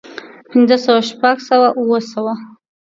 پنځۀ سوه شپږ سوه اووه سوه